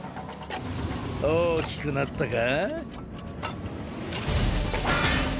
大きくなったか？